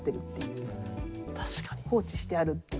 放置してあるっていう。